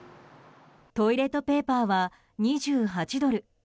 トイレットペーパーは２８ドル。